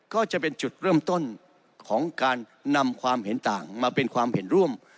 ก็จะเป็นจุดเริ่มต้นของการนำความเห็นต่างมาเป็นความเห็นร่วม